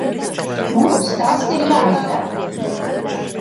Mums tas ir jāizdara.